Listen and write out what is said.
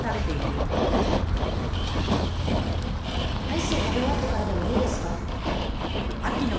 アイスを食べ終わってからでもいいですか？